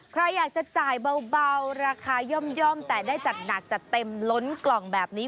ใครอยากจะจ่ายเบาราคาย่อมแต่ได้จัดหนักจัดเต็มล้นกล่องแบบนี้